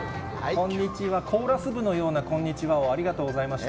こんにちは、コーラス部のようなこんにちはをありがとうございました。